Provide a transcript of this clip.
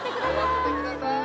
酔わせてください！